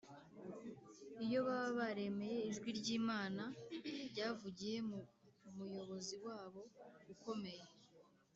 iyo baba baremeye ijwi ry’imana ryavugiye mu muyobozi wabo ukomeye,